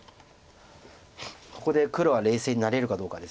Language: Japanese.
ここで黒は冷静になれるかどうかです。